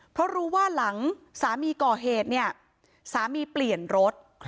เพราะรู้ว่าหลังสามีก่อเหตุเนี่ยสามีเปลี่ยนรถ